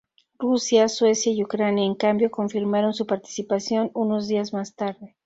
Rusia, Suecia y Ucrania en cambio, confirmaron su participación unos días más tarde.